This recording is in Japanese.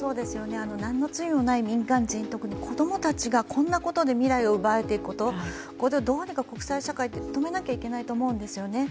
何の罪もない民間人、特に子供たちがこんなことで未来を奪われていくこと、これをどうにか国際社会で止めなきゃいけないと思うんですね。